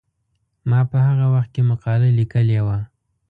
ما په هغه وخت کې مقاله لیکلې وه.